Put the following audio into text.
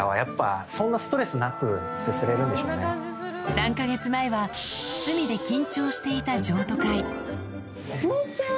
３か月前は隅で緊張していた譲渡会むぅちゃん。